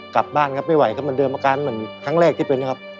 กลับบ้านครับไม่ไหวก็เหมือนเดิมอาการเหมือนครั้งแรกที่เป็นนะครับ